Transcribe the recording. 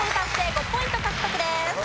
５ポイント獲得です。